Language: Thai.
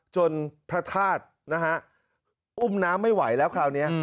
พระธาตุนะฮะอุ้มน้ำไม่ไหวแล้วคราวนี้